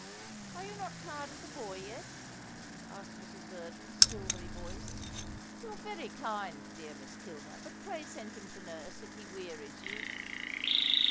"Are you not tired of the boy yet?" asked Mrs. Verdon's silvery voice. "You are very kind, dear Miss Kilner; but pray send him to nurse if he wearies you."